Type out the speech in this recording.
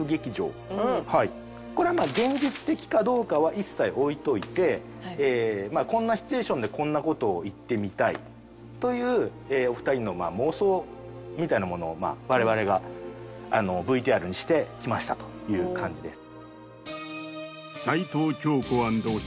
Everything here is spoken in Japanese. これはまあ現実的かどうかは一切置いといてこんなシチュエーションでこんな事を言ってみたいというお二人の妄想みたいなものを我々がＶＴＲにしてきましたという感じです。